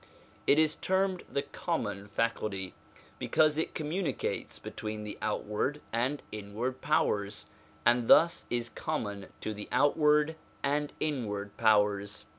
It is termed the common faculty, because it communicates between the outward and inward powers, and thus is common to the outward and inward powers.